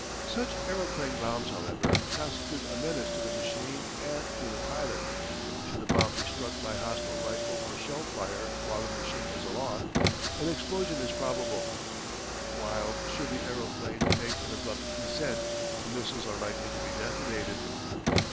Such aeroplane bombs, however, constitute a menace to the machine and to the pilot. Should the bomb be struck by hostile rifle or shell fire while the machine is aloft, an explosion is probable; while should the aero plane make an abrupt descent the missiles are likely to be detonated.